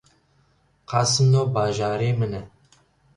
Qasimlo bajarê min e